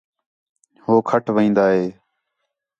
ہو کَھٹ وین٘دا ہِے